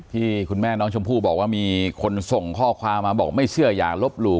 ที่คุณแม่น้องชมพู่บอกว่ามีคนส่งข้อความมาบอกไม่เชื่ออย่าลบหลู่